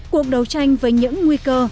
cuộc đấu tranh với những nguy cơ